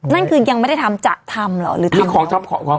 นั่นคือยังไม่ได้ทำจะทำเหรอหรือทำของ